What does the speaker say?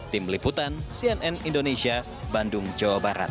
tim liputan cnn indonesia bandung jawa barat